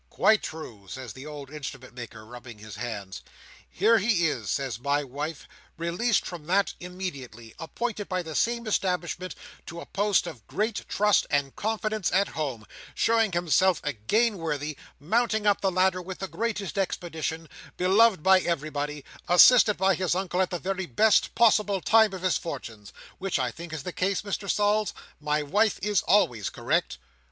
"Quite true," says the old Instrument maker, rubbing his hands. "'Here he is,' says my wife, 'released from that, immediately; appointed by the same establishment to a post of great trust and confidence at home; showing himself again worthy; mounting up the ladder with the greatest expedition; beloved by everybody; assisted by his uncle at the very best possible time of his fortunes'—which I think is the case, Mr Sols? My wife is always correct."